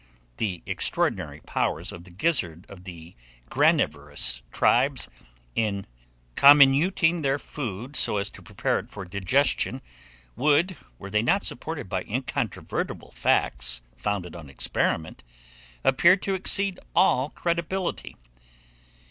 The extraordinary powers of the gizzard of the granivorous tribes, in comminuting their food so as to prepare it for digestion, would, were they not supported by incontrovertible facts founded on experiment, appear to exceed all credibility.